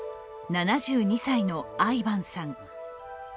７２歳のアイヴァンさん。